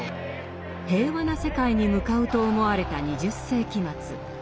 平和な世界に向かうと思われた２０世紀末。